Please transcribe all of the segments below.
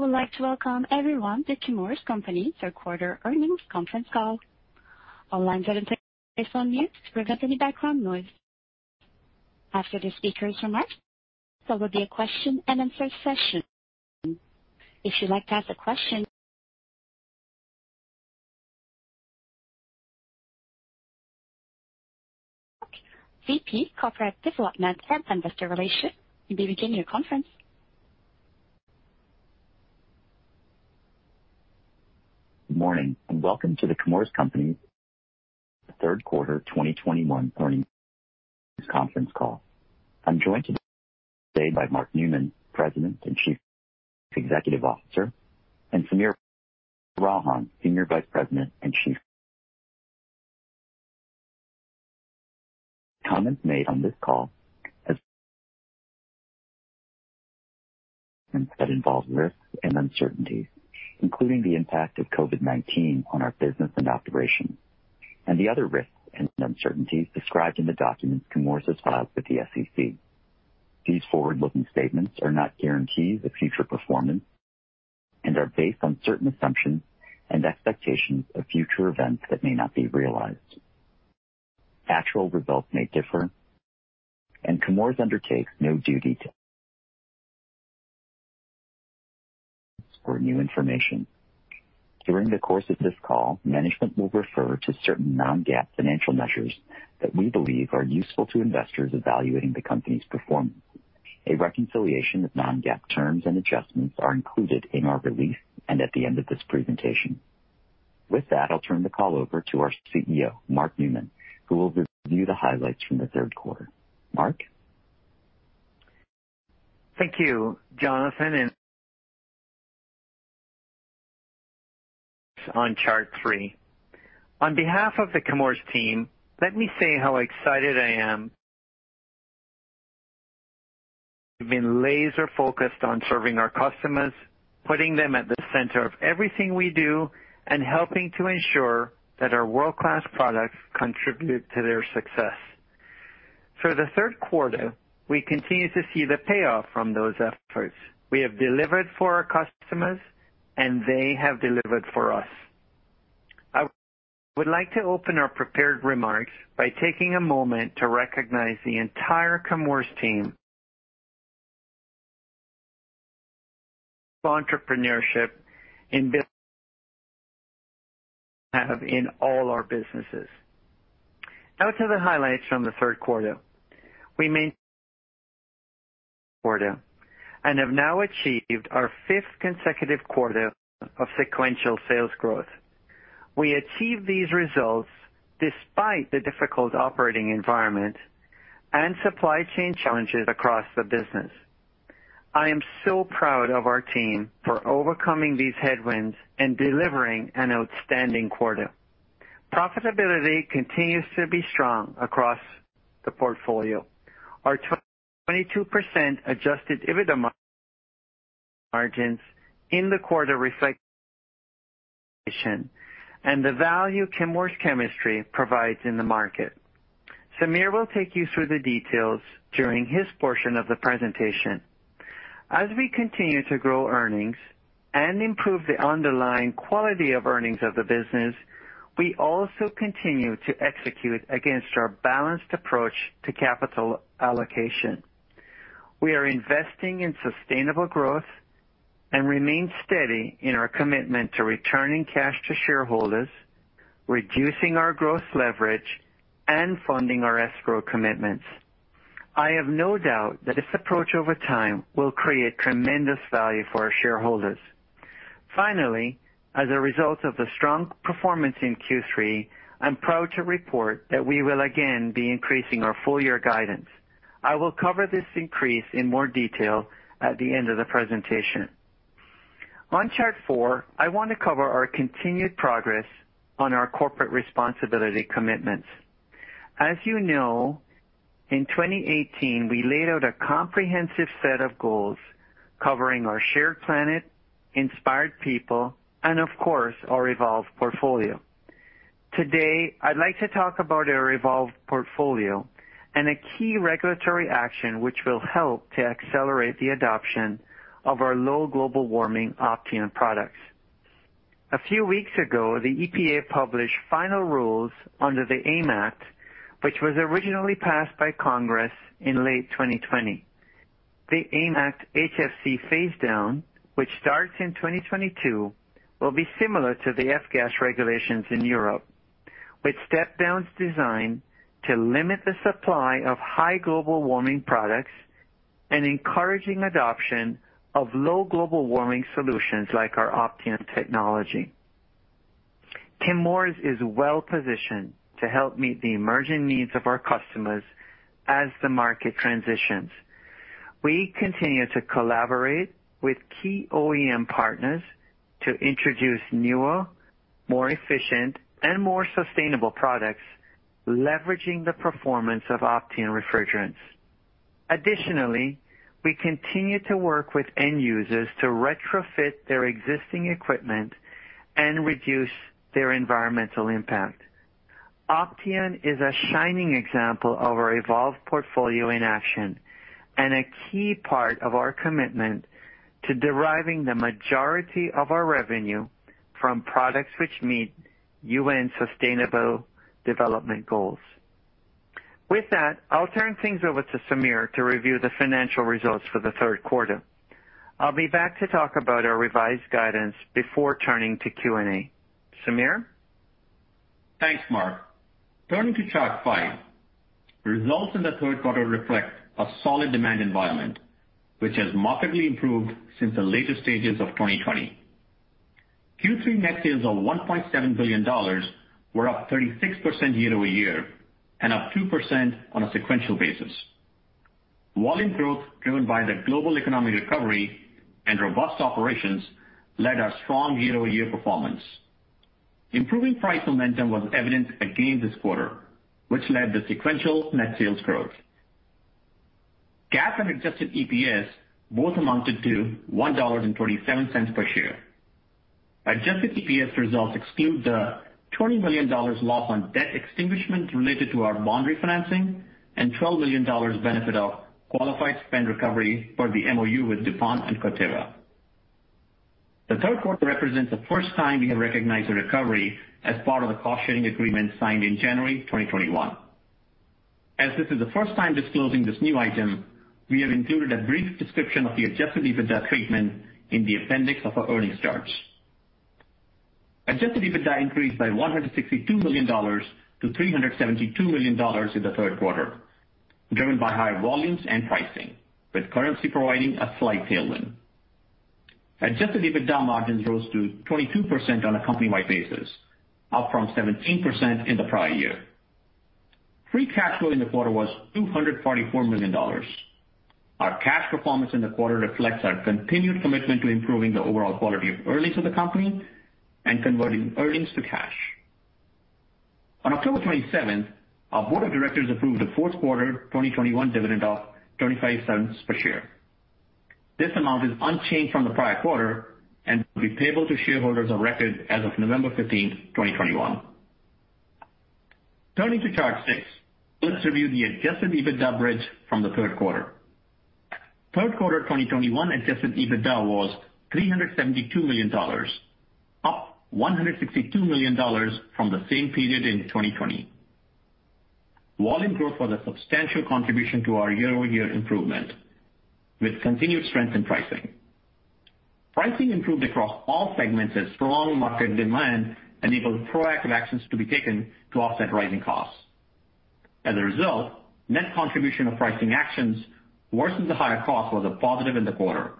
I would like to welcome everyone to The Chemours Company third quarter earnings conference call. All lines have been placed on mute to prevent any background noise. After the speaker's remarks, there will be a question and answer session. If you'd like to ask a question, VP Corporate Development and Investor Relations. You may begin your conference. Good morning and welcome to The Chemours Company Third Quarter 2021 Earnings Conference Call. I'm joined today by Mark Newman, President and Chief Executive Officer, and Sameer Ralhan, Senior Vice President and Chief Financial Officer. Comments made on this call that involve risks and uncertainties, including the impact of COVID-19 on our business and operations and the other risks and uncertainties described in the documents Chemours has filed with the SEC. These forward-looking statements are not guarantees of future performance and are based on certain assumptions and expectations of future events that may not be realized. Actual results may differ, and Chemours undertakes no duty to update or revise them in light of new information. During the course of this call, management will refer to certain non-GAAP financial measures that we believe are useful to investors evaluating the company's performance. A reconciliation of non-GAAP terms and adjustments are included in our release and at the end of this presentation. With that, I'll turn the call over to our CEO, Mark Newman, who will review the highlights from the third quarter. Mark? Thank you, Jonathan. On chart three. On behalf of the Chemours team, let me say how excited I am. We've been laser-focused on serving our customers, putting them at the center of everything we do, and helping to ensure that our world-class products contribute to their success. For the third quarter, we continue to see the payoff from those efforts. We have delivered for our customers, and they have delivered for us. I would like to open our prepared remarks by taking a moment to recognize the entire Chemours team for their entrepreneurship in all our businesses. Now to the highlights from the third quarter. We delivered another quarter and have now achieved our fifth consecutive quarter of sequential sales growth. We achieved these results despite the difficult operating environment and supply chain challenges across the business. I am so proud of our team for overcoming these headwinds and delivering an outstanding quarter. Profitability continues to be strong across the portfolio. Our 22% adjusted EBITDA margins in the quarter reflect the value Chemours chemistry provides in the market. Sameer will take you through the details during his portion of the presentation. As we continue to grow earnings and improve the underlying quality of earnings of the business, we also continue to execute against our balanced approach to capital allocation. We are investing in sustainable growth and remain steady in our commitment to returning cash to shareholders, reducing our gross leverage, and funding our escrow commitments. I have no doubt that this approach over time will create tremendous value for our shareholders. Finally, as a result of the strong performance in Q3, I'm proud to report that we will again be increasing our full year guidance. I will cover this increase in more detail at the end of the presentation. On chart four, I want to cover our continued progress on our corporate responsibility commitments. As you know, in 2018, we laid out a comprehensive set of goals covering our shared planet, inspired people, and of course, our EVOLVE portfolio. Today, I'd like to talk about our EVOLVE portfolio and a key regulatory action which will help to accelerate the adoption of our low global warming Opteon products. A few weeks ago, the EPA published final rules under the AIM Act, which was originally passed by Congress in late 2020. The AIM Act HFC phase down, which starts in 2022, will be similar to the F-Gas regulations in Europe, with step downs designed to limit the supply of high global warming products and encouraging adoption of low global warming solutions like our Opteon technology. Chemours is well positioned to help meet the emerging needs of our customers as the market transitions. We continue to collaborate with key OEM partners to introduce newer, more efficient and more sustainable products, leveraging the performance of Opteon refrigerants. Additionally, we continue to work with end users to retrofit their existing equipment and reduce their environmental impact. Opteon is a shining example of our evolved portfolio in action and a key part of our commitment to deriving the majority of our revenue from products which meet UN sustainable development goals. With that, I'll turn things over to Sameer to review the financial results for the third quarter. I'll be back to talk about our revised guidance before turning to Q&A. Sameer? Thanks, Mark. Turning to chart 5. Results in the third quarter reflect a solid demand environment, which has markedly improved since the later stages of 2020. Q3 net sales of $1.7 billion were up 36% year-over-year and up 2% on a sequential basis. Volume growth driven by the global economic recovery and robust operations led our strong year-over-year performance. Improving price momentum was evident again this quarter, which led to sequential net sales growth. GAAP and adjusted EPS both amounted to $1.27 per share. Adjusted EPS results exclude the $20 million loss on debt extinguishment related to our bond refinancing and $12 million benefit of qualified spend recovery for the MOU with DuPont and Corteva. The third quarter represents the first time we have recognized a recovery as part of the cost-sharing agreement signed in January 2021. As this is the first time disclosing this new item, we have included a brief description of the adjusted EBITDA treatment in the appendix of our earnings charts. Adjusted EBITDA increased by $162 million to $372 million in the third quarter, driven by higher volumes and pricing, with currency providing a slight tailwind. Adjusted EBITDA margins rose to 22% on a company-wide basis, up from 17% in the prior year. Free cash flow in the quarter was $244 million. Our cash performance in the quarter reflects our continued commitment to improving the overall quality of earnings of the company and converting earnings to cash. On October 27, our board of directors approved a fourth quarter 2021 dividend of 25 cents per share. This amount is unchanged from the prior quarter and will be payable to shareholders of record as of November 15, 2021. Turning to chart six. Let's review the adjusted EBITDA bridge from the third quarter. Third quarter 2021 adjusted EBITDA was $372 million, up $162 million from the same period in 2020. Volume growth was a substantial contribution to our year-over-year improvement, with continued strength in pricing. Pricing improved across all segments as strong market demand enabled proactive actions to be taken to offset rising costs. As a result, the net contribution of pricing actions more than offset the higher costs,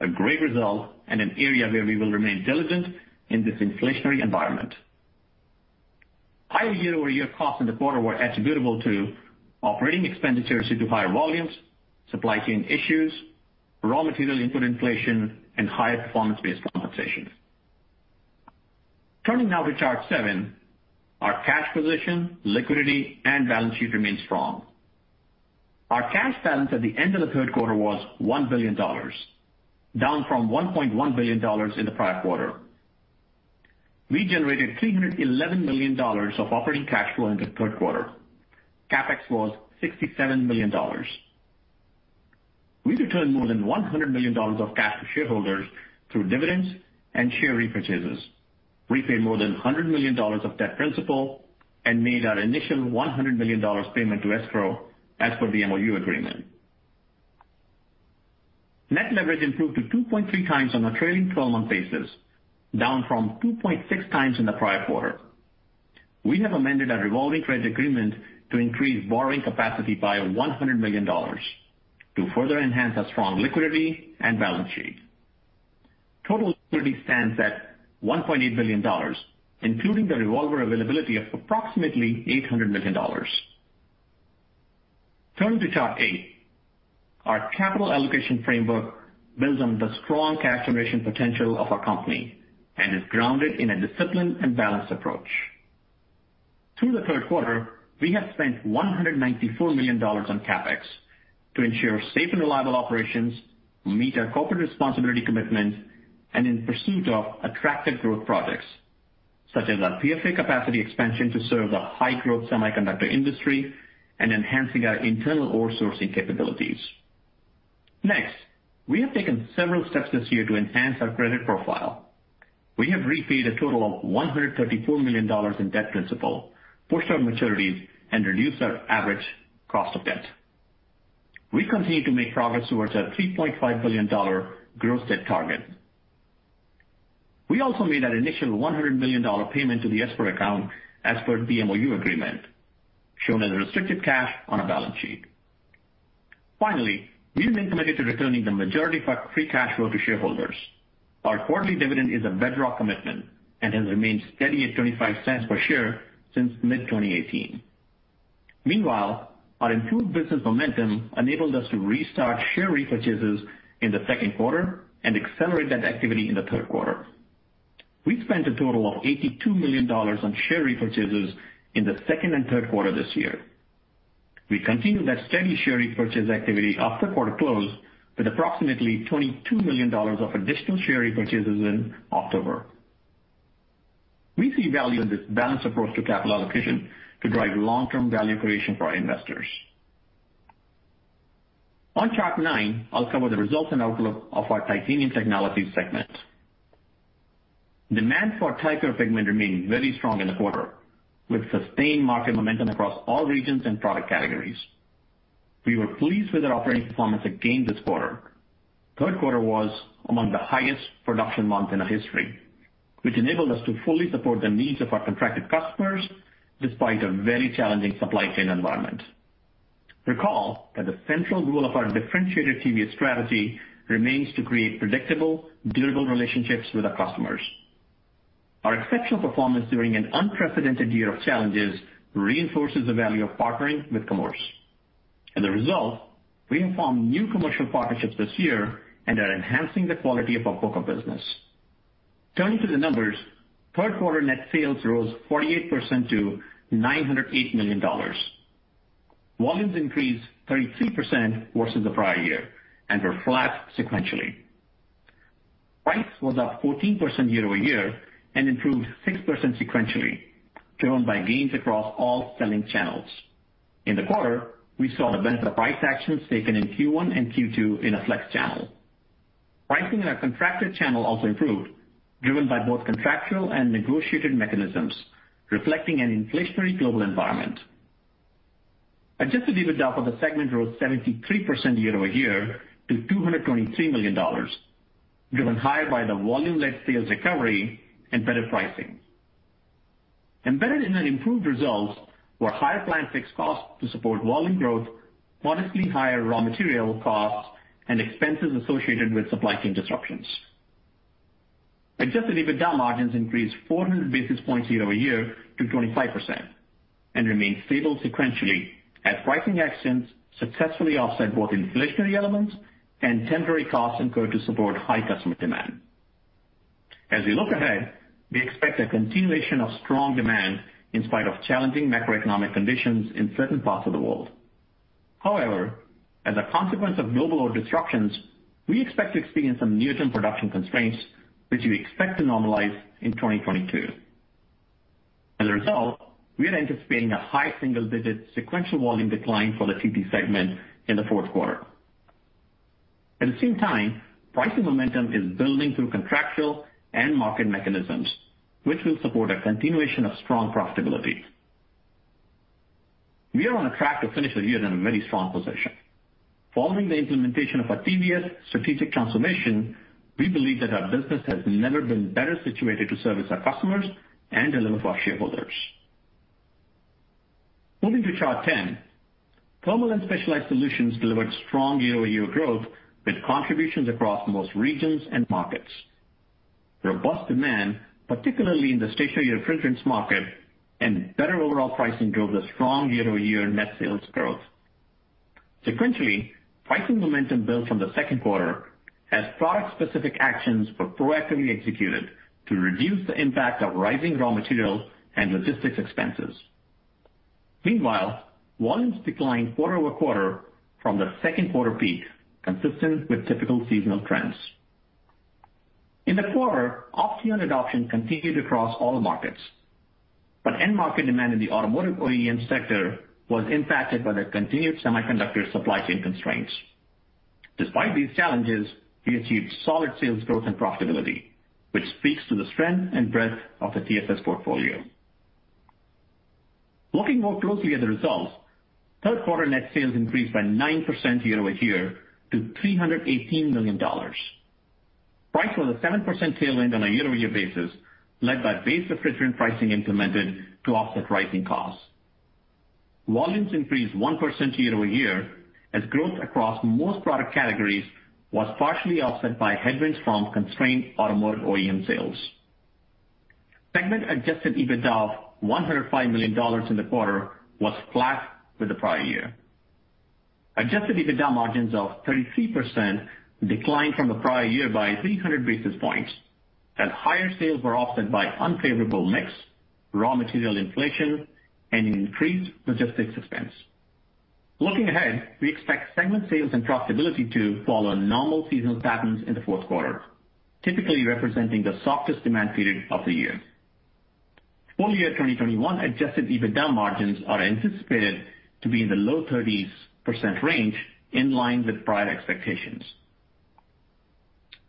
a great result and an area where we will remain diligent in this inflationary environment. Higher year-over-year costs in the quarter were attributable to operating expenditures due to higher volumes, supply chain issues, raw material input inflation, and higher performance-based compensations. Turning now to chart seven. Our cash position, liquidity, and balance sheet remain strong. Our cash balance at the end of the third quarter was $1 billion, down from $1.1 billion in the prior quarter. We generated $311 million of operating cash flow in the third quarter. CapEx was $67 million. We returned more than $100 million of cash to shareholders through dividends and share repurchases. We paid more than $100 million of debt principal and made our initial $100 million payment to escrow as per the MOU agreement. Net leverage improved to 2.3x on a trailing 12-month basis, down from 2.6x in the prior quarter. We have amended our revolving credit agreement to increase borrowing capacity by $100 million to further enhance our strong liquidity and balance sheet. Total liquidity stands at $1.8 billion, including the revolver availability of approximately $800 million. Turning to chart eight. Our capital allocation framework builds on the strong cash generation potential of our company and is grounded in a disciplined and balanced approach. Through the third quarter, we have spent $194 million on CapEx to ensure safe and reliable operations, meet our corporate responsibility commitments, and in pursuit of attractive growth projects, such as our PFA capacity expansion to serve the high-growth semiconductor industry and enhancing our internal ore sourcing capabilities. Next, we have taken several steps this year to enhance our credit profile. We have repaid a total of $134 million in debt principal, pushed our maturities, and reduced our average cost of debt. We continue to make progress towards our $3.5 billion gross debt target. We also made an initial $100 million payment to the escrow account as per the MOU agreement, shown as restricted cash on our balance sheet. Finally, we have been committed to returning the majority of our free cash flow to shareholders. Our quarterly dividend is a bedrock commitment and has remained steady at 25 cents per share since mid-2018. Meanwhile, our improved business momentum enabled us to restart share repurchases in the second quarter and accelerate that activity in the third quarter. We spent a total of $82 million on share repurchases in the second and third quarter this year. We continued that steady share repurchase activity after quarter close with approximately $22 million of additional share repurchases in October. We see value in this balanced approach to capital allocation to drive long-term value creation for our investors. On track nine, I'll cover the results and outlook of our Titanium Technologies segment. Demand for titania pigment remained very strong in the quarter, with sustained market momentum across all regions and product categories. We were pleased with our operating performance again this quarter. third quarter was among the highest production month in our history, which enabled us to fully support the needs of our contracted customers despite a very challenging supply chain environment. Recall that the central rule of our differentiated TVS strategy remains to create predictable, durable relationships with our customers. Our exceptional performance during an unprecedented year of challenges reinforces the value of partnering with Chemours. As a result, we have formed new commercial partnerships this year and are enhancing the quality of our book of business. Turning to the numbers, third quarter net sales rose 48% to $908 million. Volumes increased 33% versus the prior year and were flat sequentially. Price was up 14% year-over-year and improved 6% sequentially, driven by gains across all selling channels. In the quarter, we saw the benefit of price actions taken in Q1 and Q2 in our flex channel. Pricing in our contracted channel also improved, driven by both contractual and negotiated mechanisms, reflecting an inflationary global environment. Adjusted EBITDA for the segment rose 73% year-over-year to $223 million, driven higher by the volume-led sales recovery and better pricing. Embedded in the improved results were higher plant fixed costs to support volume growth, modestly higher raw material costs, and expenses associated with supply chain disruptions. Adjusted EBITDA margins increased 400 basis points year-over-year to 25% and remained stable sequentially as pricing actions successfully offset both inflationary elements and temporary costs incurred to support high customer demand. As we look ahead, we expect a continuation of strong demand in spite of challenging macroeconomic conditions in certain parts of the world. However, as a consequence of global order disruptions, we expect to experience some near-term production constraints, which we expect to normalize in 2022. As a result, we are anticipating a high single-digit sequential volume decline for the TT segment in the fourth quarter. At the same time, pricing momentum is building through contractual and market mechanisms, which will support a continuation of strong profitability. We are on track to finish the year in a very strong position. Following the implementation of our TVS strategic transformation, we believe that our business has never been better situated to service our customers and deliver for our shareholders. Moving to chart 10, Thermal & Specialized Solutions delivered strong year-over-year growth with contributions across most regions and markets. Robust demand, particularly in the stationary refrigerants market and better overall pricing, drove the strong year-over-year net sales growth. Sequentially, pricing momentum built from the second quarter as product-specific actions were proactively executed to reduce the impact of rising raw materials and logistics expenses. Meanwhile, volumes declined quarter-over-quarter from the second quarter peak, consistent with typical seasonal trends. In the quarter, Opteon adoption continued across all markets, but end market demand in the automotive OEM sector was impacted by the continued semiconductor supply chain constraints. Despite these challenges, we achieved solid sales growth and profitability, which speaks to the strength and breadth of the TSS portfolio. Looking more closely at the results, third quarter net sales increased by 9% year-over-year to $318 million. Price was a 7% tailwind on a year-over-year basis, led by base refrigerant pricing implemented to offset rising costs. Volumes increased 1% year-over-year as growth across most product categories was partially offset by headwinds from constrained automotive OEM sales. Segment adjusted EBITDA of $105 million in the quarter was flat with the prior year. Adjusted EBITDA margins of 33% declined from the prior year by 300 basis points as higher sales were offset by unfavorable mix, raw material inflation, and increased logistics expense. Looking ahead, we expect segment sales and profitability to follow normal seasonal patterns in the fourth quarter, typically representing the softest demand period of the year. Full year 2021 adjusted EBITDA margins are anticipated to be in the low 30s% range, in line with prior expectations.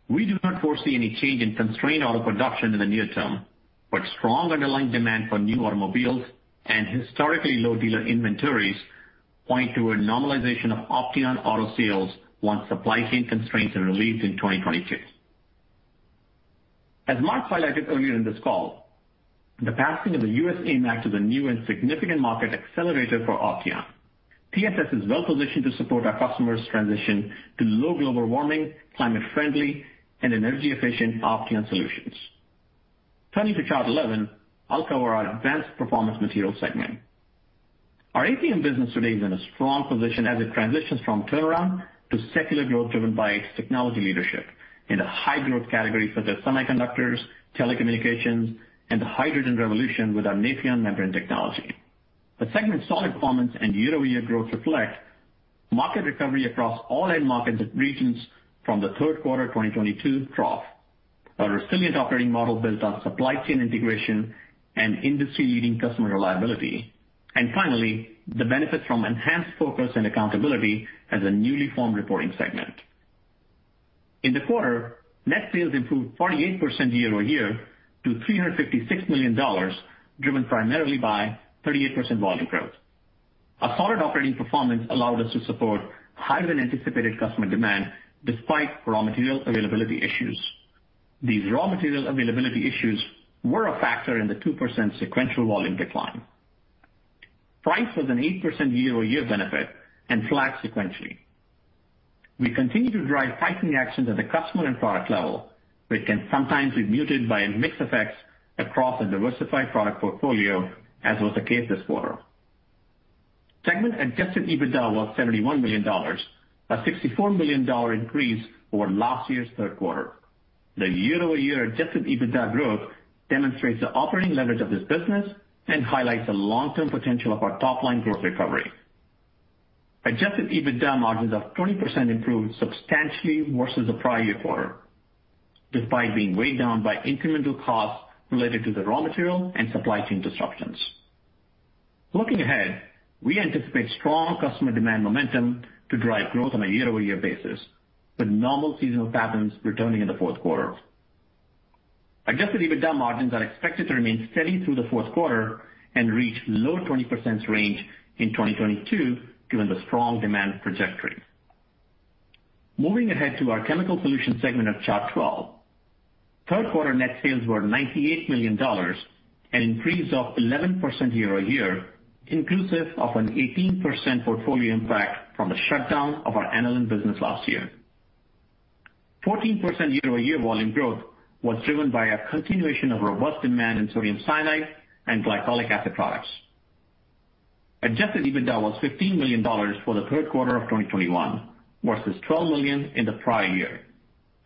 We do not foresee any change in constrained auto production in the near term, but strong underlying demand for new automobiles and historically low dealer inventories point to a normalization of Opteon auto sales once supply chain constraints are relieved in 2022. As Mark highlighted earlier in this call, the passing of the U.S. IRA is a new and significant market accelerator for Opteon. TSS is well positioned to support our customers' transition to low global warming, climate friendly and energy efficient Opteon solutions. Turning to chart 11, I'll cover our Advanced Performance Materials segment. Our APM business today is in a strong position as it transitions from turnaround to secular growth driven by its technology leadership in the high growth categories such as semiconductors, telecommunications, and the hydrogen revolution with our Nafion membrane technology. The segment's solid performance and year-over-year growth reflect market recovery across all end markets and regions from the third quarter of 2022 trough. Our resilient operating model builds on supply chain integration and industry-leading customer reliability, and finally, the benefit from enhanced focus and accountability as a newly formed reporting segment. In the quarter, net sales improved 48% year-over-year to $356 million, driven primarily by 38% volume growth. A solid operating performance allowed us to support higher than anticipated customer demand despite raw material availability issues. These raw material availability issues were a factor in the 2% sequential volume decline. Price was an 8% year-over-year benefit and flat sequentially. We continue to drive pricing actions at the customer and product level, which can sometimes be muted by mix effects across a diversified product portfolio, as was the case this quarter. Segment adjusted EBITDA was $71 million, a $64 million increase over last year's third quarter. The year-over-year adjusted EBITDA growth demonstrates the operating leverage of this business and highlights the long-term potential of our top-line growth recovery. Adjusted EBITDA margins of 20% improved substantially versus the prior year quarter, despite being weighed down by incremental costs related to the raw material and supply chain disruptions. Looking ahead, we anticipate strong customer demand momentum to drive growth on a year-over-year basis, with normal seasonal patterns returning in the fourth quarter. Adjusted EBITDA margins are expected to remain steady through the fourth quarter and reach low 20% range in 2022, given the strong demand trajectory. Moving ahead to our chemical solutions segment of chart 12. Third quarter net sales were $98 million, an increase of 11% year-over-year, inclusive of an 18% portfolio impact from the shutdown of our aniline business last year. 14% year-over-year volume growth was driven by a continuation of robust demand in sodium cyanide and glycolic acid products. Adjusted EBITDA was $15 million for the third quarter of 2021 versus $12 million in the prior year,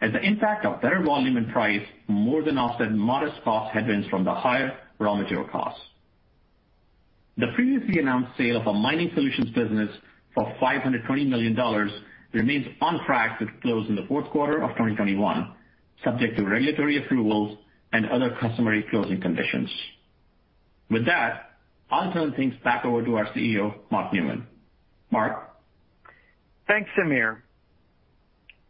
as the impact of better volume and price more than offset modest cost headwinds from the higher raw material costs. The previously announced sale of our Mining Solutions business for $520 million remains on track to close in the fourth quarter of 2021, subject to regulatory approvals and other customary closing conditions. With that, I'll turn things back over to our CEO, Mark Newman. Mark? Thanks, Sameer.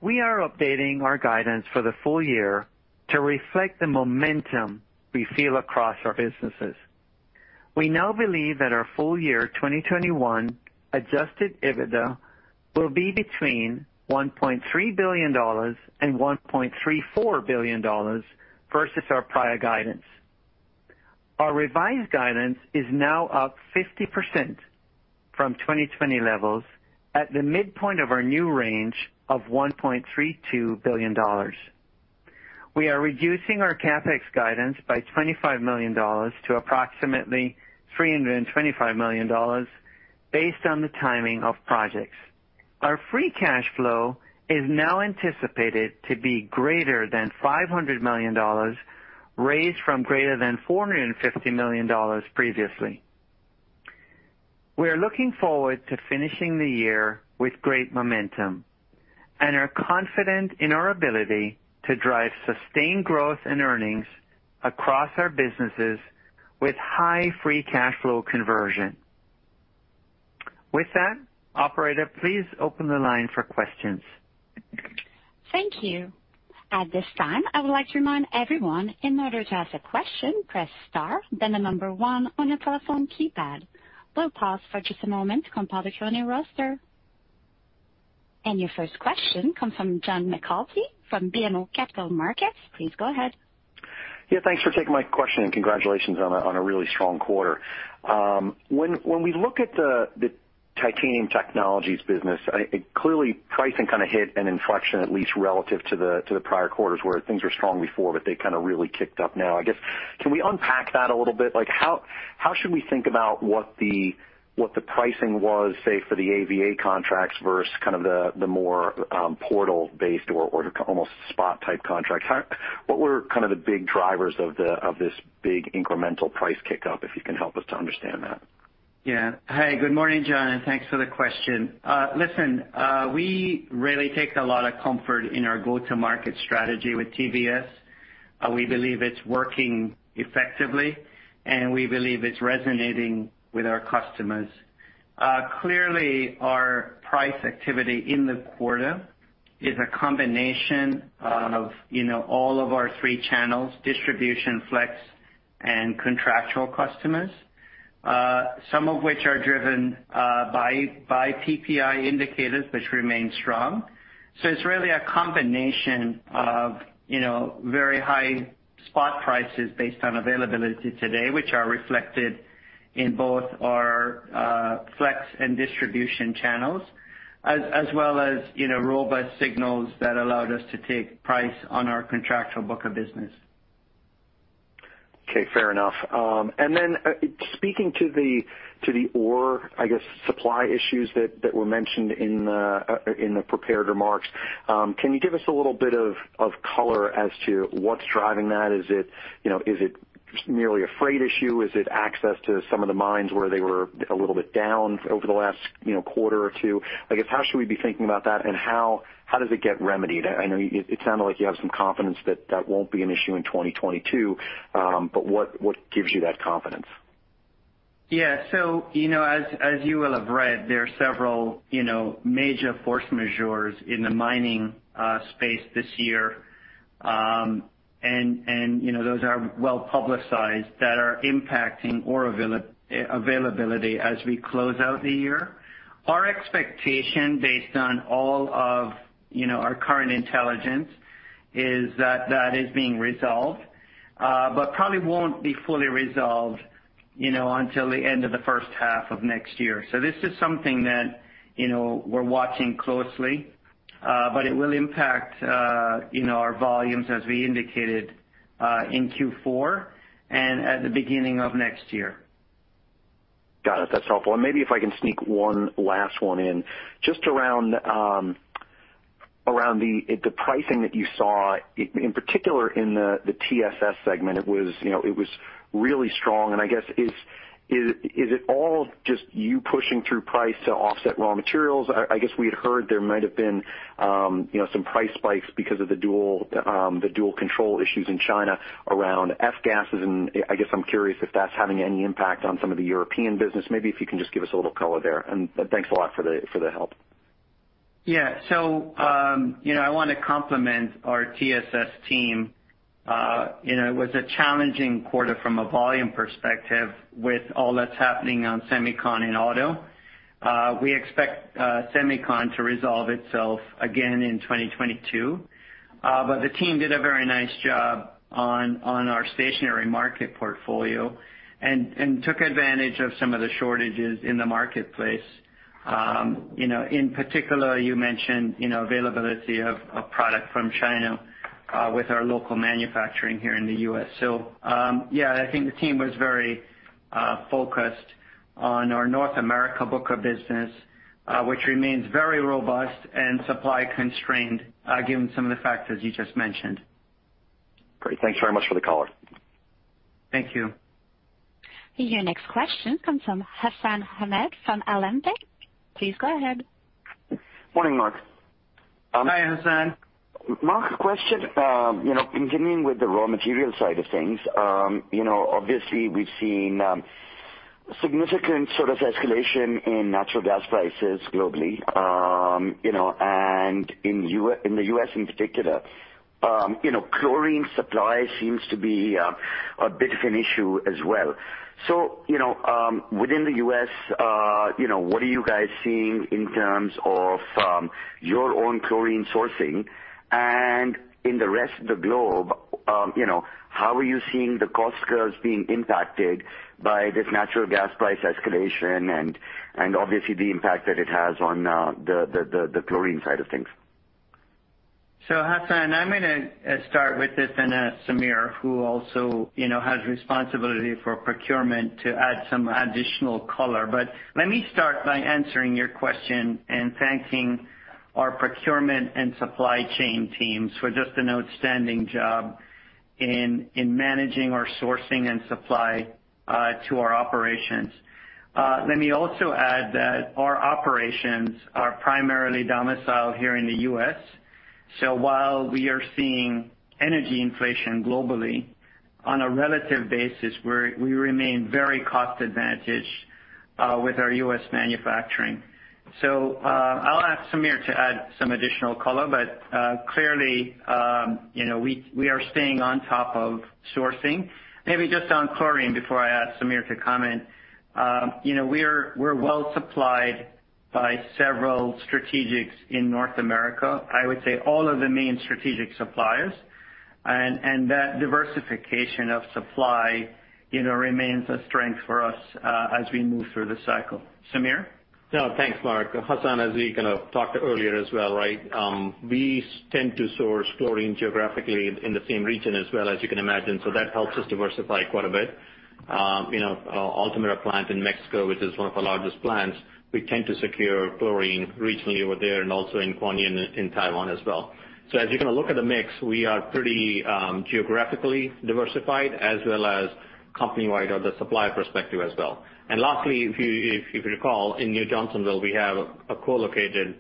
We are updating our guidance for the full year to reflect the momentum we feel across our businesses. We now believe that our full year 2021 adjusted EBITDA will be between $1.3 billion-$1.34 billion versus our prior guidance. Our revised guidance is now up 50% from 2020 levels at the midpoint of our new range of $1.32 billion. We are reducing our CapEx guidance by $25 million to approximately $325 million based on the timing of projects. Our free cash flow is now anticipated to be greater than $500 million, raised from greater than $450 million previously. We are looking forward to finishing the year with great momentum and are confident in our ability to drive sustained growth in earnings across our businesses with high free cash flow conversion. With that, operator, please open the line for questions. Thank you. At this time, I would like to remind everyone, in order to ask a question, press star then the number one on your telephone keypad. We'll pause for just a moment to compile the current roster. Your first question comes from John McNulty from BMO Capital Markets. Please go ahead. Yeah, thanks for taking my question, and congratulations on a really strong quarter. When we look at the Titanium Technologies business, it clearly pricing kind of hit an inflection, at least relative to the prior quarters, where things were strong before, but they kind of really kicked up now. I guess, can we unpack that a little bit? Like how should we think about what the pricing was, say, for the AVA contracts versus kind of the more portal-based or almost spot-type contracts? What were kind of the big drivers of this big incremental price kick-up, if you can help us to understand that? Yeah. Hi, good morning, John, and thanks for the question. Listen, we really take a lot of comfort in our go-to-market strategy with TVS. We believe it's working effectively, and we believe it's resonating with our customers. Clearly, our price activity in the quarter is a combination of, you know, all of our three channels, distribution, flex and contractual customers, some of which are driven by PPI indicators which remain strong. It's really a combination of, you know, very high spot prices based on availability today, which are reflected in both our flex and distribution channels as well as, you know, robust signals that allowed us to take price on our contractual book of business. Okay, fair enough. Speaking to the ore supply issues that were mentioned in the prepared remarks, can you give us a little bit of color as to what's driving that? Is it, you know, merely a freight issue? Is it access to some of the mines where they were a little bit down over the last, you know, quarter or two? How should we be thinking about that, and how does it get remedied? I know it sounded like you have some confidence that that won't be an issue in 2022, but what gives you that confidence? Yeah. You know, as you will have read, there are several, you know, major force majeure in the mining space this year, and, you know, those are well-publicized that are impacting ore availability as we close out the year. Our expectation based on all of, you know, our current intelligence is that that is being resolved, but probably won't be fully resolved, you know, until the end of the first half of next year. This is something that, you know, we're watching closely, but it will impact, you know, our volumes as we indicated in Q4 and at the beginning of next year. Got it. That's helpful. Maybe if I can sneak one last one in. Just around the pricing that you saw in particular in the TSS segment, it was, you know, it was really strong. I guess, is it all just you pushing through price to offset raw materials? I guess we had heard there might have been, you know, some price spikes because of the dual control issues in China around F-gases. I guess I'm curious if that's having any impact on some of the European business. Maybe if you can just give us a little color there. Thanks a lot for the help. Yeah. You know, I wanna compliment our TSS team. You know, it was a challenging quarter from a volume perspective with all that's happening on semicon and auto. We expect semicon to resolve itself again in 2022. The team did a very nice job on our stationary market portfolio and took advantage of some of the shortages in the marketplace. You know, in particular, you mentioned you know availability of product from China with our local manufacturing here in the U.S. Yeah, I think the team was very focused on our North America book of business, which remains very robust and supply constrained, given some of the factors you just mentioned. Great. Thanks very much for the color. Thank you. Your next question comes from Hassan Ahmed from Alembic Global Advisors. Please go ahead. Morning, Mark. Hi, Hassan. Mark, a question. You know, continuing with the raw material side of things, you know, obviously we've seen significant sort of escalation in natural gas prices globally, you know, and in the U.S. in particular. You know, chlorine supply seems to be a bit of an issue as well. You know, within the U.S., you know, what are you guys seeing in terms of your own chlorine sourcing? And in the rest of the globe, you know, how are you seeing the cost curves being impacted by this natural gas price escalation and obviously the impact that it has on the chlorine side of things? Hassan, I'm gonna start with this and Sameer, who also, you know, has responsibility for procurement to add some additional color. Let me start by answering your question and thanking our procurement and supply chain teams for just an outstanding job in managing our sourcing and supply to our operations. Let me also add that our operations are primarily domiciled here in the U.S. While we are seeing energy inflation globally, on a relative basis, we remain very cost advantaged with our U.S. manufacturing. I'll ask Sameer to add some additional color, but clearly, you know, we are staying on top of sourcing. Maybe just on chlorine before I ask Sameer to comment. You know, we are well supplied by several strategics in North America. I would say all of the main strategic suppliers. That diversification of supply, you know, remains a strength for us, as we move through the cycle. Sameer? No, thanks, Mark. Hassan, as we kind of talked earlier as well, right? We tend to source chlorine geographically in the same region as well as you can imagine, so that helps us diversify quite a bit. You know, our Altamira plant in Mexico, which is one of our largest plants, we tend to secure chlorine regionally over there and also in Hualian in Taiwan as well. So as you kind of look at the mix, we are pretty geographically diversified as well as company-wide on the supply perspective as well. Lastly, if you recall, in New Johnsonville, we have a co-located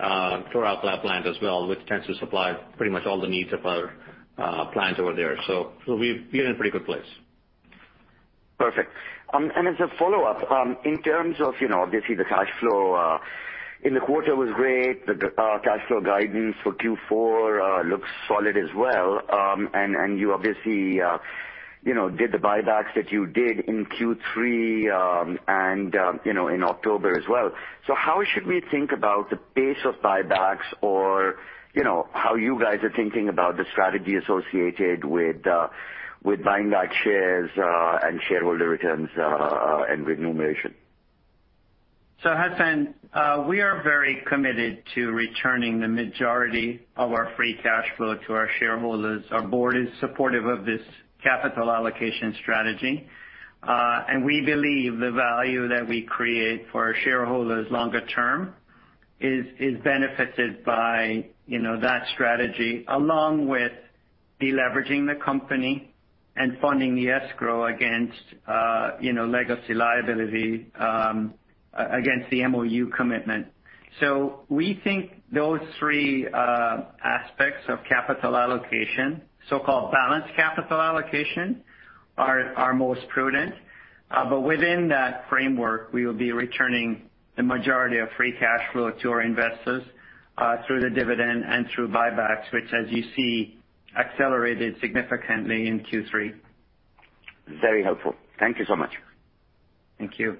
chloralkali plant as well, which tends to supply pretty much all the needs of our plants over there. We're in a pretty good place. Perfect. As a follow-up, in terms of, you know, obviously the cash flow in the quarter was great. The cash flow guidance for Q4 looks solid as well. You obviously, you know, did the buybacks that you did in Q3, and, you know, in October as well. How should we think about the pace of buybacks or, you know, how you guys are thinking about the strategy associated with buying back shares, and shareholder returns, and remuneration? Hassan, we are very committed to returning the majority of our free cash flow to our shareholders. Our board is supportive of this capital allocation strategy, and we believe the value that we create for our shareholders longer term is benefited by, you know, that strategy along with de-leveraging the company and funding the escrow against, you know, legacy liability, against the MOU commitment. We think those three aspects of capital allocation, so-called balanced capital allocation, are most prudent. But within that framework, we will be returning the majority of free cash flow to our investors through the dividend and through buybacks, which as you see, accelerated significantly in Q3. Very helpful. Thank you so much. Thank you.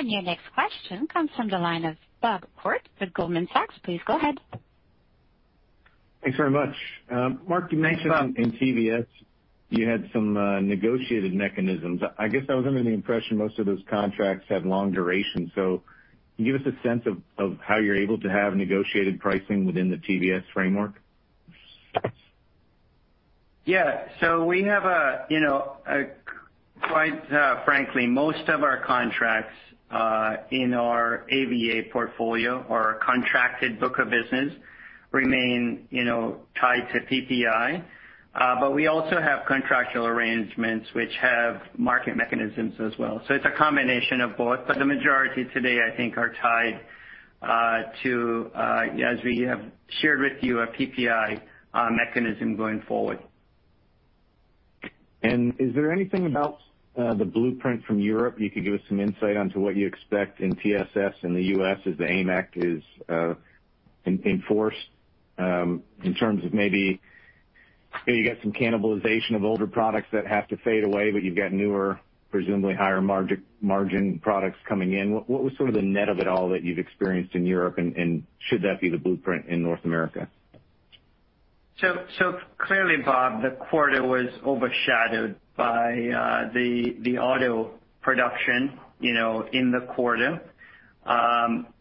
Your next question comes from the line of Bob Koort with Goldman Sachs. Please go ahead. Thanks very much. Mark, you mentioned- Bob. In TVS, you had some negotiated mechanisms. I guess I was under the impression most of those contracts have long duration. Can you give us a sense of how you're able to have negotiated pricing within the TVS framework? Yeah. We have, you know, quite frankly, most of our contracts in our AVA portfolio or our contracted book of business remain, you know, tied to PPI. We also have contractual arrangements which have market mechanisms as well. It's a combination of both. The majority today, I think, are tied to, as we have shared with you, a PPI mechanism going forward. Is there anything about the blueprint from Europe you could give us some insight into what you expect in TSS in the U.S. as the AIM Act is enforced, in terms of maybe, say, you got some cannibalization of older products that have to fade away, but you've got newer, presumably higher margin products coming in. What was sort of the net of it all that you've experienced in Europe, and should that be the blueprint in North America? Clearly, Bob, the quarter was overshadowed by the auto production, you know, in the quarter.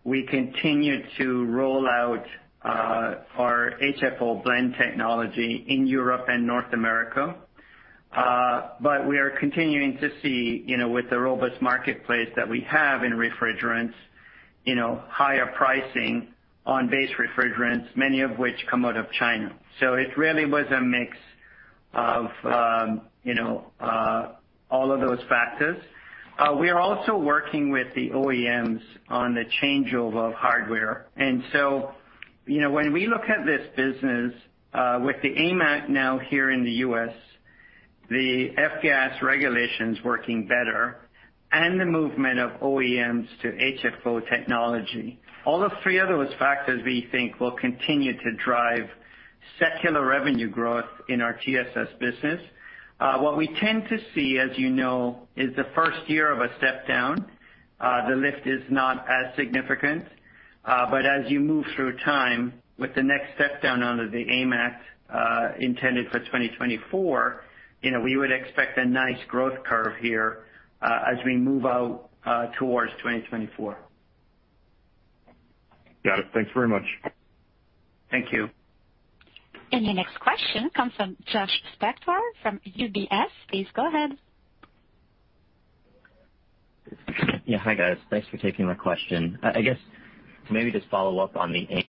We continue to roll out our HFO blend technology in Europe and North America. But we are continuing to see, you know, with the robust marketplace that we have in refrigerants, you know, higher pricing on base refrigerants, many of which come out of China. It really was a mix of, you know, all of those factors. We are also working with the OEMs on the changeover of hardware. You know, when we look at this business, with the AIM Act now here in the U.S., the F-gas regulations working better and the movement of OEMs to HFO technology, all those three factors we think will continue to drive secular revenue growth in our TSS business. What we tend to see, as you know, is the first year of a step down. The lift is not as significant. As you move through time with the next step down under the AIM Act, intended for 2024, you know, we would expect a nice growth curve here, as we move out, towards 2024. Got it. Thanks very much. Thank you. Your next question comes from Josh Spector from UBS. Please go ahead. Yeah. Hi, guys. Thanks for taking my question. I guess maybe just follow up on the AIM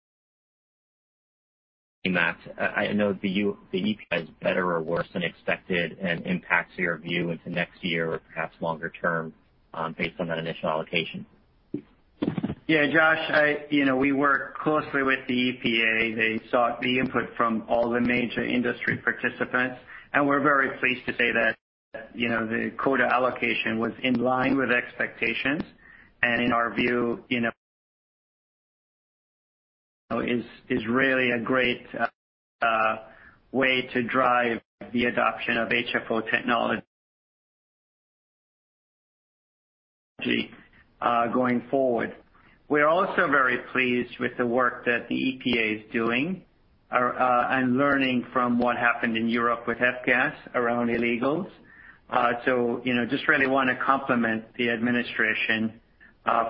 Act. I know the EPA is better or worse than expected and impacts your view into next year or perhaps longer term, based on that initial allocation. Yeah, Josh. You know, we work closely with the EPA. They sought the input from all the major industry participants, and we're very pleased to say that, you know, the quota allocation was in line with expectations. In our view, you know, is really a great way to drive the adoption of HFO technology going forward. We're also very pleased with the work that the EPA is doing and learning from what happened in Europe with F-gas around illegals. You know, just really wanna compliment the administration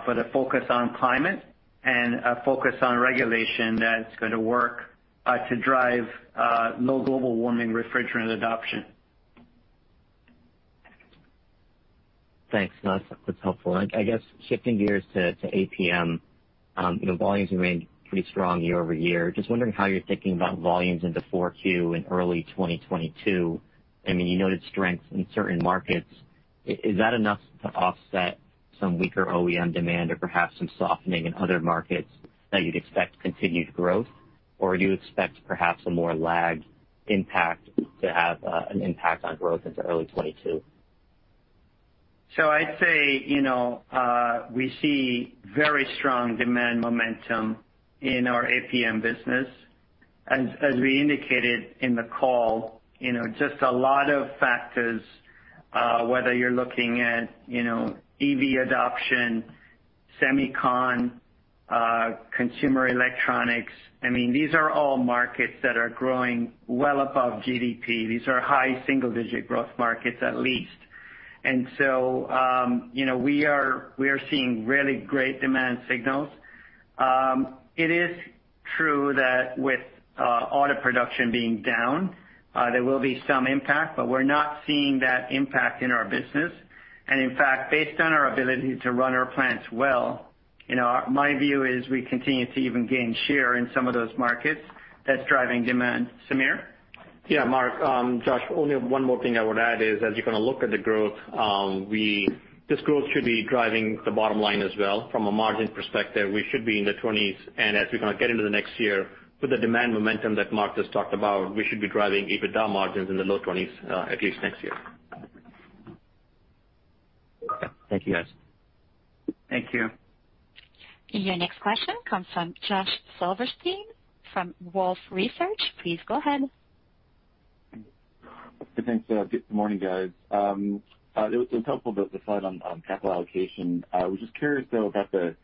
for the focus on climate and a focus on regulation that's gonna work to drive low global warming refrigerant adoption. Thanks. No, that's helpful. I guess shifting gears to APM, you know, volumes remained pretty strong year-over-year. Just wondering how you're thinking about volumes into Q4 and early 2022. I mean, you noted strength in certain markets. Is that enough to offset some weaker OEM demand or perhaps some softening in other markets that you'd expect continued growth? Or do you expect perhaps a more lagged impact to have an impact on growth into early 2022? I'd say, you know, we see very strong demand momentum in our APM business. As we indicated in the call, you know, just a lot of factors, whether you're looking at, you know, EV adoption, consumer electronics. I mean, these are all markets that are growing well above GDP. These are high single-digit growth markets, at least. We are seeing really great demand signals. It is true that with auto production being down, there will be some impact, but we're not seeing that impact in our business. And in fact, based on our ability to run our plants well, you know, my view is we continue to even gain share in some of those markets that's driving demand. Samir? Yeah, Mark, Josh, only one more thing I would add is, as you kind of look at the growth, this growth should be driving the bottom line as well. From a margin perspective, we should be in the 20s. As we kind of get into the next year, with the demand momentum that Mark just talked about, we should be driving EBITDA margins in the low 20s, at least next year. Okay. Thank you, guys. Thank you. Your next question comes from Josh Silverstein from Wolfe Research. Please go ahead. Thanks. Good morning, guys. It was helpful, the slide on capital allocation. I was just curious, though, about the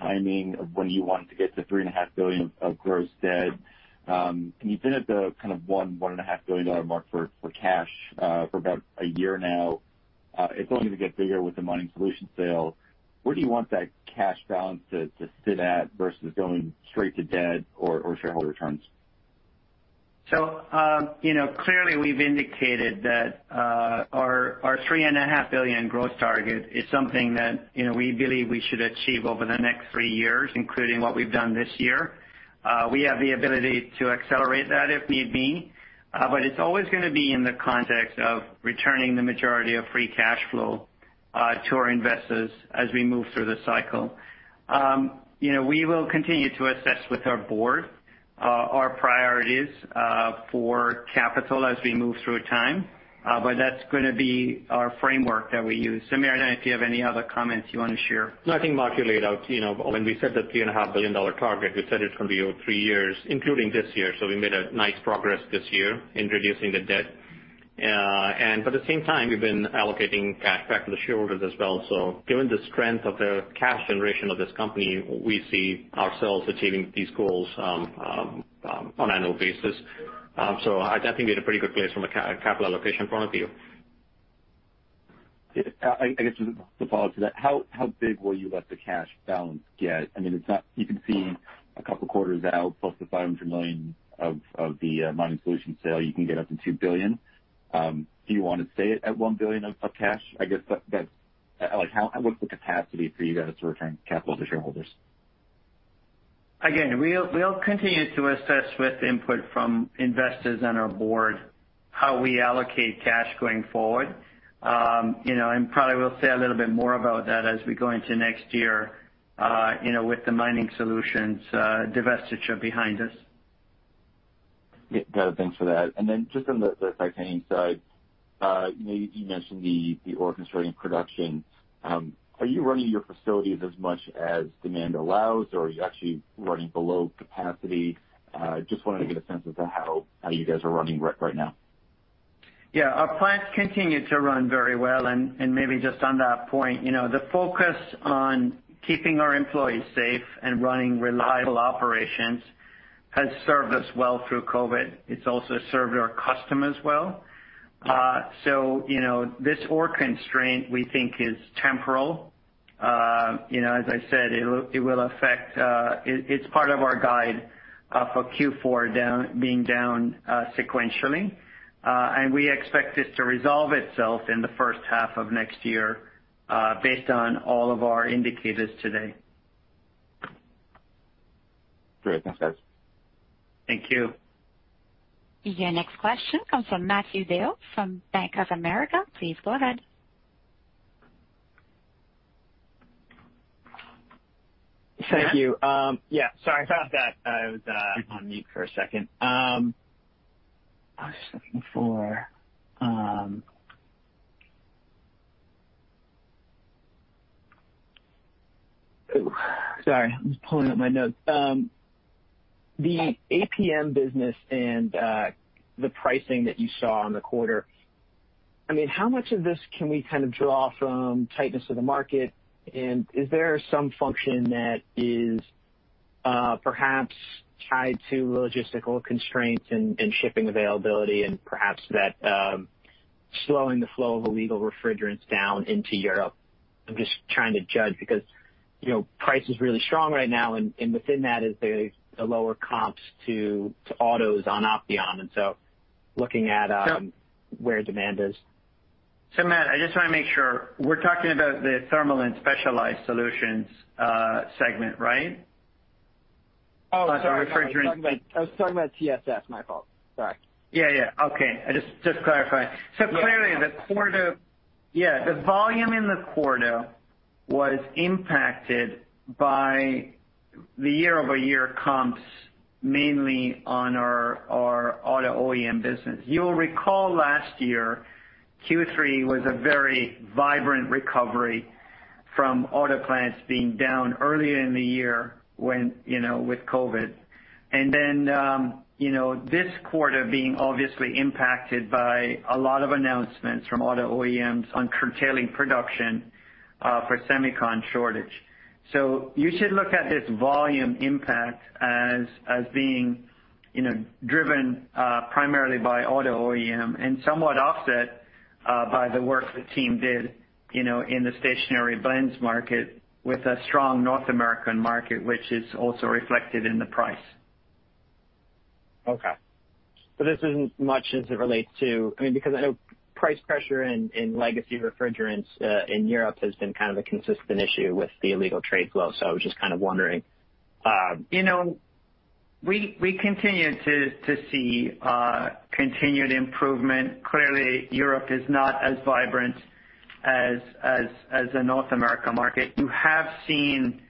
timing of when you want to get to $3.5 billion of gross debt. You've been at the kind of $1.5 billion mark for cash for about a year now. It's only going to get bigger with the Mining Solutions sale. Where do you want that cash balance to sit at versus going straight to debt or shareholder returns? You know, clearly we've indicated that our $3.5 billion growth target is something that you know we believe we should achieve over the next three years, including what we've done this year. We have the ability to accelerate that if need be, but it's always gonna be in the context of returning the majority of free cash flow to our investors as we move through the cycle. You know, we will continue to assess with our board our priorities for capital as we move through time, but that's gonna be our framework that we use. Sameer, I don't know if you have any other comments you wanna share. No, I think Mark laid out, you know, when we set the $3.5 billion target, we said it's gonna be over three-years, including this year. We made nice progress this year in reducing the debt. At the same time, we've been allocating cash back to the shareholders as well. Given the strength of the cash generation of this company, we see ourselves achieving these goals on an annual basis. I think we're in a pretty good place from a capital allocation point of view. Yeah. I guess just to follow up to that, how big will you let the cash balance get? I mean, you can see a couple quarters out plus the $500 million from the Mining Solutions sale, you can get up to $2 billion. Do you want to stay at $1 billion of cash? I guess that's like, what's the capacity for you guys to return capital to shareholders? Again, we'll continue to assess with input from investors and our board how we allocate cash going forward. You know, probably we'll say a little bit more about that as we go into next year, you know, with the Mining Solutions divestiture behind us. Yeah, got it. Thanks for that. Just on the titanium side, you know, you mentioned the ore constraint in production. Are you running your facilities as much as demand allows, or are you actually running below capacity? Just wanted to get a sense of how you guys are running right now. Yeah. Our plants continue to run very well. Maybe just on that point, you know, the focus on keeping our employees safe and running reliable operations has served us well through COVID. It's also served our customers well. You know, this ore constraint, we think is temporal. You know, as I said, it will affect. It's part of our guide for Q4, down sequentially. We expect this to resolve itself in the first half of next year based on all of our indicators today. Great. Thanks, guys. Thank you. Your next question comes from Matthew DeYoe from Bank of America. Please go ahead. Thank you. Yeah, sorry about that. I was on mute for a second. I was just looking for. Sorry, I'm just pulling up my notes. The APM business and the pricing that you saw in the quarter, I mean, how much of this can we kind of draw from tightness of the market? Is there some function that is perhaps tied to logistical constraints and shipping availability and perhaps that slowing the flow of illegal refrigerants down into Europe? I'm just trying to judge because, you know, price is really strong right now, and within that is the lower comps to autos on Opteon. Looking at where demand is. Matt, I just wanna make sure. We're talking about the Thermal & Specialized Solutions segment, right? Oh, sorry. Not the refrigerant- I was talking about TSS, my fault. Sorry. Yeah. Okay. Just clarifying. Yeah. Clearly, yeah, the volume in the quarter was impacted by the year-over-year comps, mainly on our auto OEM business. You'll recall last year, Q3 was a very vibrant recovery from auto plants being down earlier in the year when, you know, with COVID. You know, this quarter being obviously impacted by a lot of announcements from auto OEMs on curtailing production for semicon shortage. You should look at this volume impact as being, you know, driven primarily by auto OEM and somewhat offset by the work the team did, you know, in the stationary blends market with a strong North American market, which is also reflected in the price. Okay. This isn't much as it relates to, I mean, because I know price pressure in legacy refrigerants in Europe has been kind of a consistent issue with the illegal trade flow. I was just kind of wondering, You know, we continue to see continued improvement. Clearly, Europe is not as vibrant as the North America market. You have seen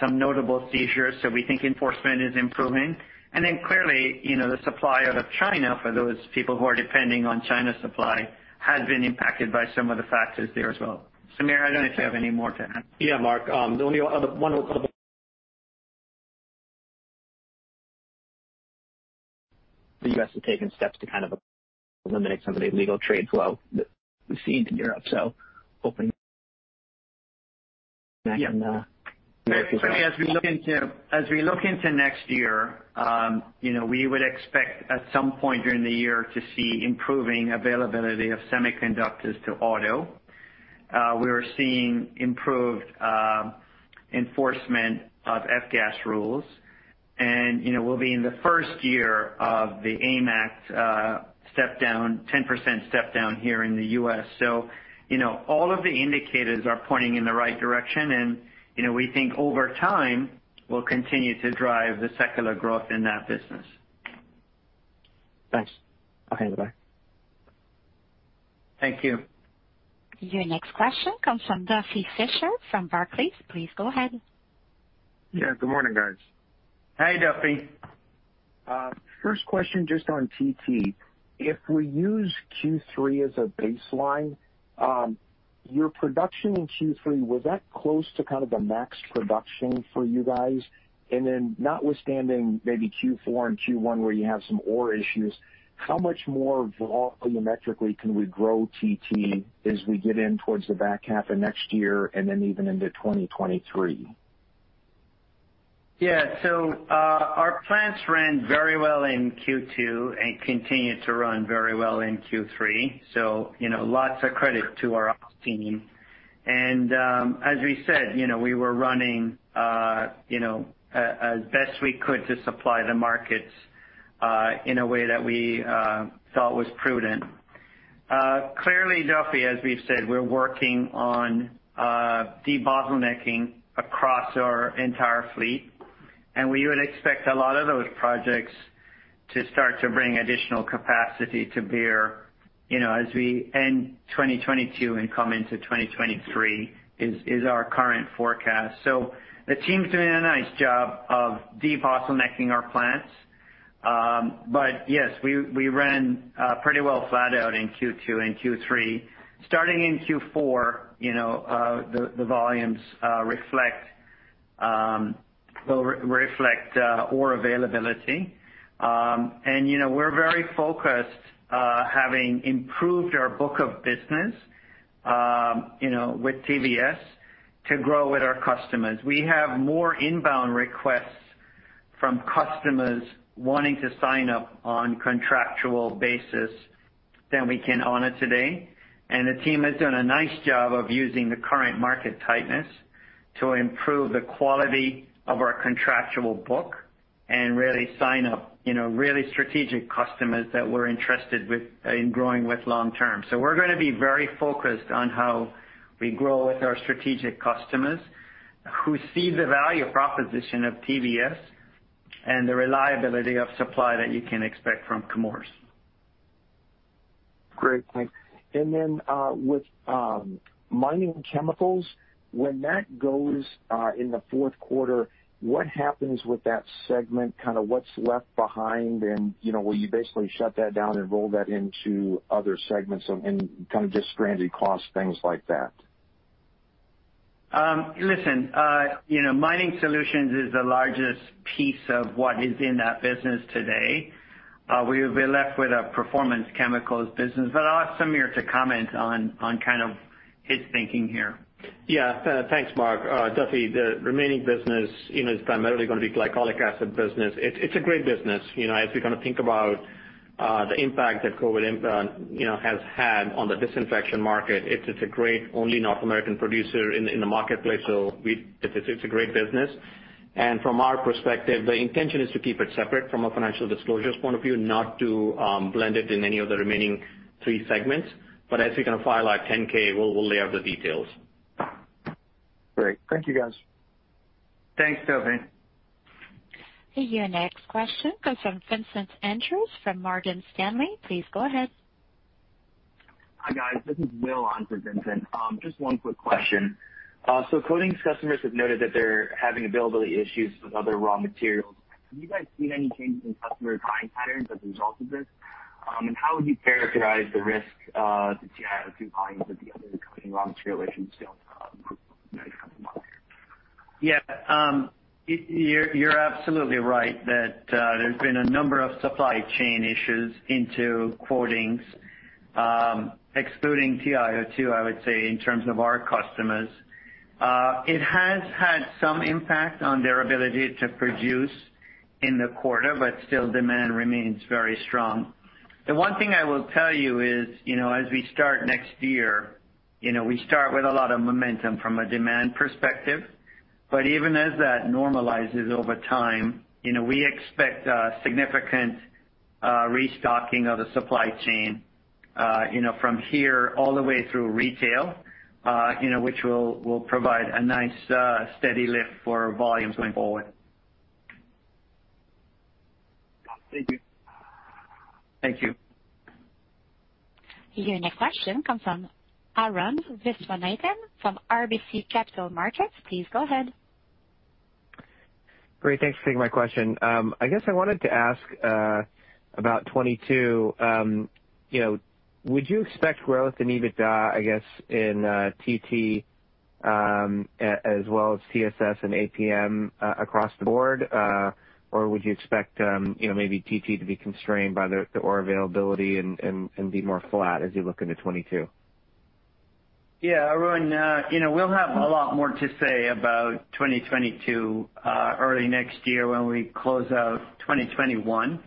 some notable seizures, so we think enforcement is improving. Clearly, the supply out of China for those people who are depending on China supply has been impacted by some of the factors there as well. Sameer, I don't know if you have any more to add. Yeah, Mark. The only other one. The U.S. has taken steps to kind of eliminate some of the illegal trade flow that we see into Europe, so hoping Yeah. As we look into next year, you know, we would expect at some point during the year to see improving availability of semiconductors to auto. We're seeing improved enforcement of F-gas rules. You know, we'll be in the first year of the AIM Act step-down, 10% step-down here in the U.S. You know, all of the indicators are pointing in the right direction and, you know, we think over time will continue to drive the secular growth in that business. Thanks. Okay, bye. Thank you. Your next question comes from Duffy Fischer from Barclays. Please go ahead. Yeah, good morning, guys. Hey, Duffy. First question, just on TT. If we use Q3 as a baseline, your production in Q3, was that close to kind of the max production for you guys? Then notwithstanding maybe Q4 and Q1, where you have some ore issues, how much more volumetrically can we grow TT as we get in towards the back half of next year and then even into 2023? Yeah. Our plants ran very well in Q2 and continued to run very well in Q3. You know, lots of credit to our ops team. As we said, you know, we were running, you know, as best we could to supply the markets, in a way that we thought was prudent. Clearly, Duffy, as we've said, we're working on debottlenecking across our entire fleet, and we would expect a lot of those projects to start to bring additional capacity to bear, you know, as we end 2022 and come into 2023 is our current forecast. The team's doing a nice job of debottlenecking our plants. Yes, we ran pretty well flat out in Q2 and Q3. Starting in Q4, you know, the volumes will reflect ore availability. You know, we're very focused, having improved our book of business, you know, with TVS to grow with our customers. We have more inbound requests from customers wanting to sign up on contractual basis than we can honor today. The team has done a nice job of using the current market tightness to improve the quality of our contractual book and really sign up, you know, really strategic customers that we're interested in growing with long term. We're gonna be very focused on how we grow with our strategic customers who see the value proposition of TVS and the reliability of supply that you can expect from Chemours. Great, thanks. Then, with mining chemicals, when that goes in the fourth quarter, what happens with that segment? Kind of what's left behind and, you know, will you basically shut that down and roll that into other segments and kind of just stranded costs, things like that? Listen, you know, Mining Solutions is the largest piece of what is in that business today. We're left with a performance chemicals business, but I'll ask Sameer to comment on kind of his thinking here. Yeah. Thanks, Mark. Duffy, the remaining business, you know, is primarily gonna be glycolic acid business. It's a great business. You know, as we kind of think about the impact that COVID has had on the disinfection market, it's a great only North American producer in the marketplace. It's a great business. From our perspective, the intention is to keep it separate from a financial disclosures point of view, not to blend it in any of the remaining three segments. As we gonna file our 10-K, we'll lay out the details. Great. Thank you, guys. Thanks, Duffy. Your next question comes from Vincent Andrews from Morgan Stanley. Please go ahead. Hi, guys. This is Will on for Vincent. Just one quick question. Coatings customers have noted that they're having availability issues with other raw materials. Have you guys seen any changes in customer buying patterns as a result of this? How would you characterize the risk to TiO2 volumes at the end of the coming raw material issues still in the next couple months? Yeah. You're absolutely right that there's been a number of supply chain issues into coatings, excluding TiO2, I would say in terms of our customers. It has had some impact on their ability to produce in the quarter, but still demand remains very strong. The one thing I will tell you is, you know, as we start next year, you know, we start with a lot of momentum from a demand perspective. But even as that normalizes over time, you know, we expect significant restocking of the supply chain, you know, from here all the way through retail, you know, which will provide a nice steady lift for volume going forward. Thank you. Thank you. Your next question comes from Arun Viswanathan from RBC Capital Markets. Please go ahead. Great. Thanks for taking my question. I guess I wanted to ask about 2022. You know, would you expect growth in EBITDA, I guess, in TT as well as TSS and APM across the board? Would you expect you know, maybe TT to be constrained by the ore availability and be more flat as you look into 2022? Yeah. Arun, you know, we'll have a lot more to say about 2022 early next year when we close out 2021.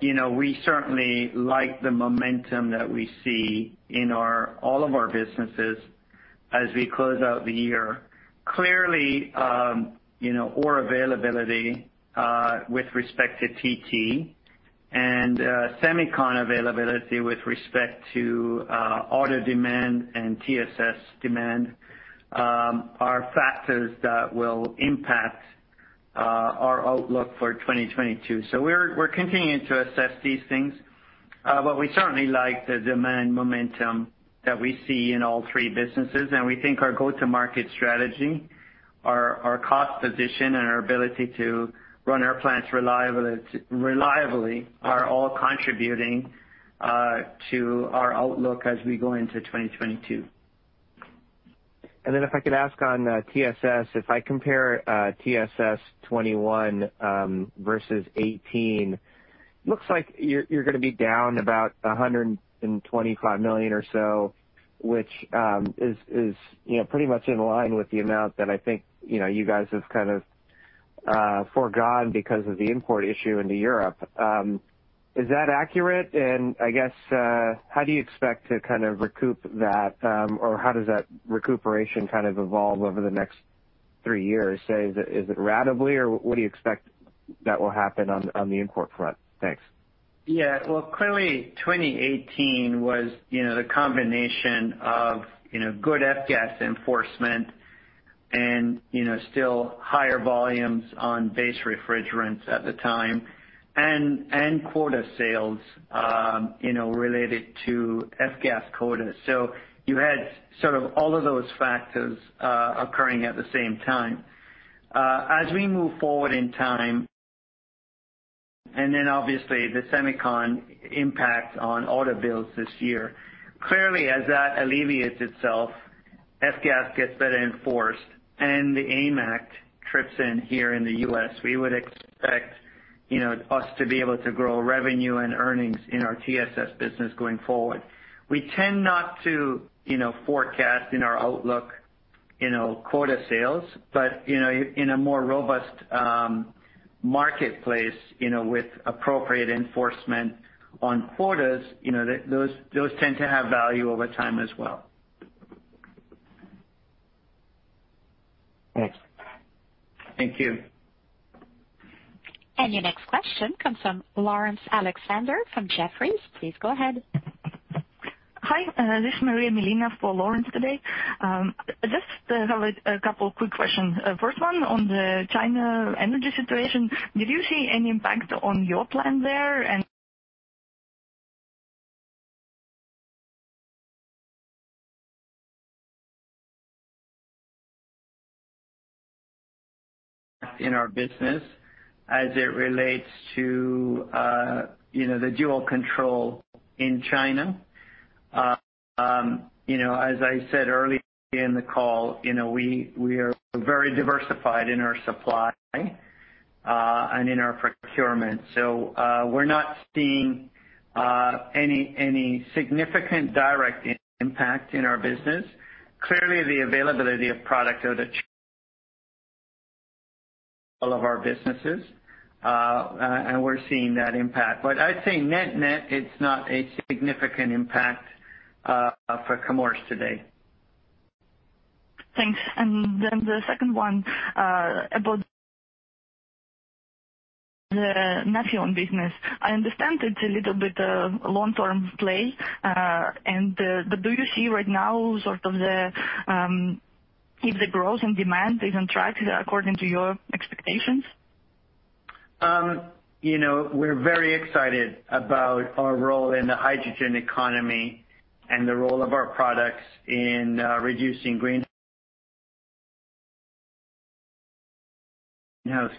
You know, we certainly like the momentum that we see in all of our businesses as we close out the year. Clearly, you know, ore availability with respect to TT and semicon availability with respect to auto demand and TSS demand are factors that will impact our outlook for 2022. We're continuing to assess these things, but we certainly like the demand momentum that we see in all three businesses. We think our go-to-market strategy, our cost position, and our ability to run our plants reliably are all contributing to our outlook as we go into 2022. If I could ask on TSS, if I compare TSS 2021 versus 2018, looks like you're gonna be down about $125 million or so, which is, you know, pretty much in line with the amount that I think, you know, you guys have kind of foregone because of the import issue into Europe. Is that accurate? I guess, how do you expect to kind of recoup that, or how does that recuperation kind of evolve over the next three years? Say, is it ratably or what do you expect that will happen on the import front? Thanks. Yeah. Well, clearly 2018 was, you know, the combination of, you know, good F-gas enforcement and, you know, still higher volumes on base refrigerants at the time and quota sales, you know, related to F-gas quotas. You had sort of all of those factors occurring at the same time. As we move forward in time, and then obviously the semicon impact on auto builds this year, clearly as that alleviates itself, F-gas gets better enforced and the AIM Act trips in here in the U.S., we would expect, you know, us to be able to grow revenue and earnings in our TSS business going forward. We tend not to, you know, forecast in our outlook, you know, quota sales, but, you know, in a more robust marketplace, you know, with appropriate enforcement on quotas, you know, those tend to have value over time as well. Thanks. Thank you. Your next question comes from Laurence Alexander from Jefferies. Please go ahead. Hi. This is Maria Molina for Laurence today. Just have a couple quick questions. First one on the China energy situation. Did you see any impact on your plan there and- In our business as it relates to, you know, the dual control in China. You know, as I said earlier in the call, you know, we are very diversified in our supply and in our procurement. We're not seeing any significant direct impact in our business. Clearly, the availability of product out of all of our businesses, and we're seeing that impact. I'd say net-net, it's not a significant impact for Chemours today. Thanks. The second one, about the Nafion business. I understand it's a little bit a long-term play. Do you see right now sort of if the growth and demand is on track according to your expectations? You know, we're very excited about our role in the hydrogen economy and the role of our products in reducing greenhouse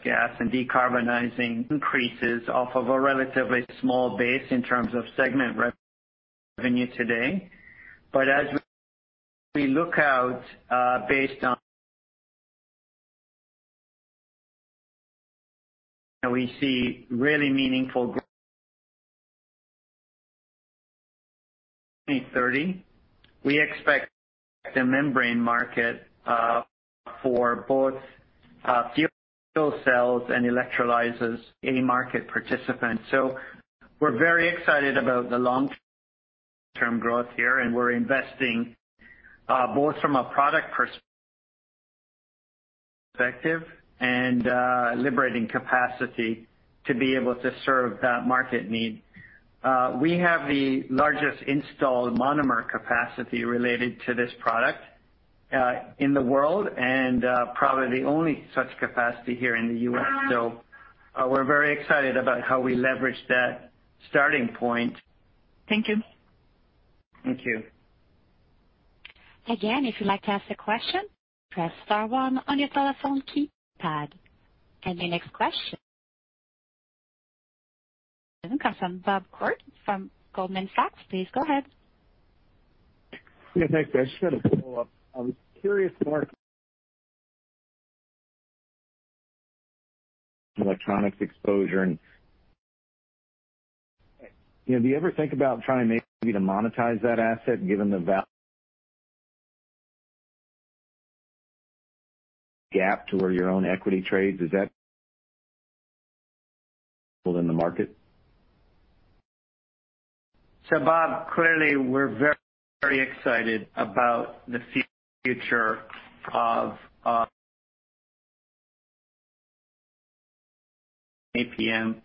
gas and decarbonizing, increases off of a relatively small base in terms of segment revenue today. As we look out, based on, we see really meaningful growth 20%-30%, we expect the membrane market for both fuel cells and electrolyzers any market participant. We're very excited about the long-term growth here, and we're investing both from a product perspective and leveraging capacity to be able to serve that market need. We have the largest installed monomer capacity related to this product in the world, and probably the only such capacity here in the U.S. We're very excited about how we leverage that starting point. Thank you. Thank you. Again, if you'd like to ask a question, press star one on your telephone keypad. The next question comes from Bob Koort from Goldman Sachs. Please go ahead. Yeah, thanks. I just had a follow-up. I was curious, Mark Newman, electronics exposure and you know, do you ever think about trying maybe to monetize that asset, given the valuation gap to where your own equity trades? Is that in the market? Bob, clearly we're very excited about the future of APM.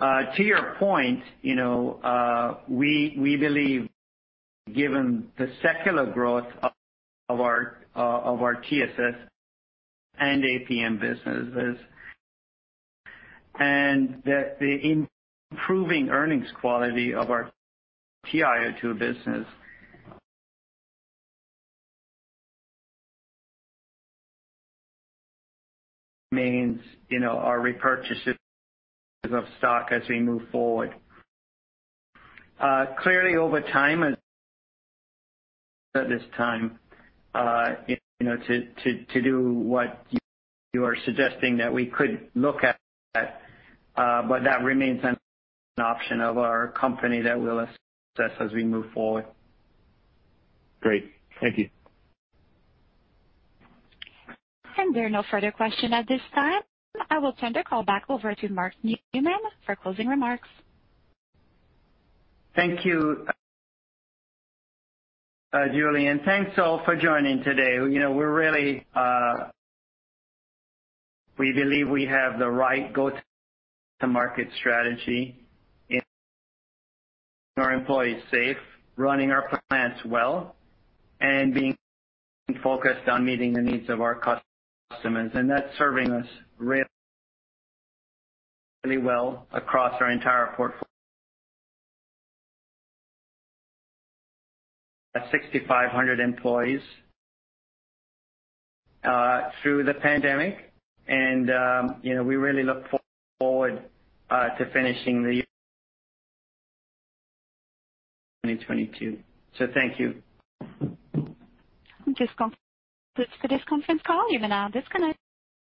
To your point, you know, we believe, given the secular growth of our TSS and APM businesses, and that the improving earnings quality of our TiO2 business means, you know, our repurchases of stock as we move forward. Clearly over time, at this time, you know, to do what you are suggesting that we could look at, but that remains an option of our company that we'll assess as we move forward. Great. Thank you. There are no further questions at this time. I will turn the call back over to Mark Newman for closing remarks. Thank you, Julie, and thanks all for joining today. You know, we're really, we believe we have the right go-to-market strategy and our employees safe, running our plants well, and being focused on meeting the needs of our customers. That's serving us really well across our entire 6,500 employees through the pandemic. You know, we really look forward to finishing 2022. Thank you. Just con-close the conference call, you may now disconnect.